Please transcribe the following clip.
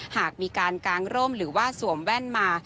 หากมีการกางร่มหรือว่าสวมแว่นมา